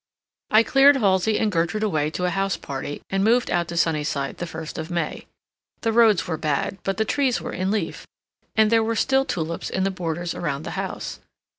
I cleared Halsey and Gertrude away to a house party, and moved out to Sunnyside the first of May. The roads were bad, but the trees were in leaf, and there were still tulips in the borders around the house.